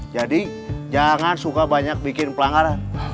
jadi jangan suka banyak bikin pelanggaran